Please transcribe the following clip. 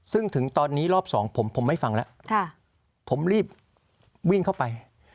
ซึ่งถึงตอนนี้รอบสองผมผมไม่ฟังแล้วผมรีบวิ่งเข้าไป